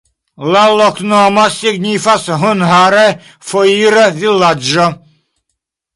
La loknomo signifas hungare: foira-vilaĝo.